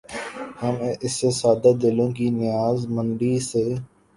ہم ایسے سادہ دلوں کی نیاز مندی سے